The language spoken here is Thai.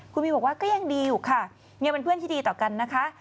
คุณวิวบอกว่าก็ยังดีอยู่ค่ะยังเป็นเพื่อนที่ดีต่อกันนะคะ